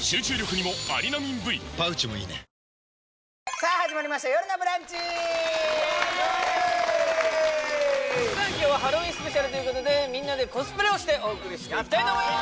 さあ始まりました「よるのブランチ」さあ今日はハロウィンスペシャルということでみんなでコスプレをしてお送りしていきたいと思います